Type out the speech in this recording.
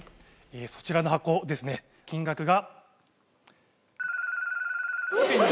そちらの箱ですね金額が。